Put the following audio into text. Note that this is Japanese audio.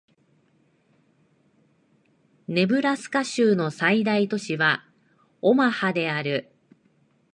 ネブラスカ州の最大都市はオマハである